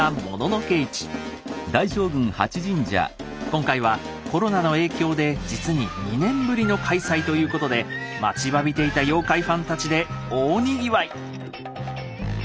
今回はコロナの影響で実に２年ぶりの開催ということで待ちわびていた妖怪ファンたちで大にぎわい。